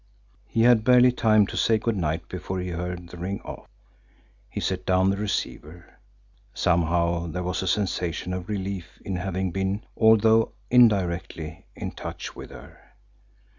He had barely time to say good night before he heard the ring off. He set down the receiver. Somehow, there was a sensation of relief in having been, although indirectly, in touch with her.